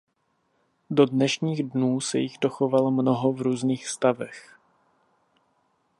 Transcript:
Do dnešních dnů se jich dochovalo mnoho v různých stavech.